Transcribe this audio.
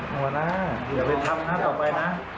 หมายถึงพิษ